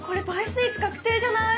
スイーツ確定じゃない？